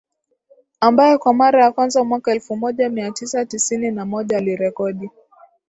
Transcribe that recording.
ambaye kwa mara ya kwanza mwaka elfu moja mia tisa tisini na moja alirekodi